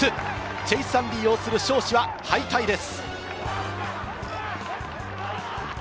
チェイス・アンリ擁する尚志は敗退です。